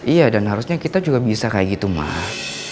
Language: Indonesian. iya dan harusnya kita juga bisa kayak gitu mah